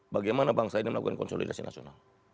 bagaimana bangsa ini melakukan konsolidasi nasional